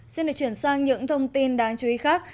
xin được chuyển sang những thông tin đáng chú ý khác